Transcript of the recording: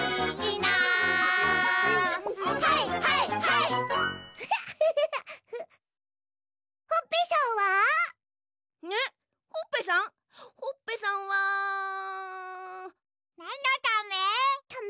なんのため？